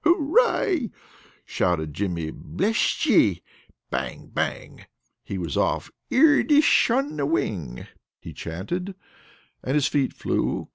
"Hooray!" shouted Jimmy. "Besht yet!" Bang! Bang! He was off. "ird ish on the wing," he chanted, and his feet flew.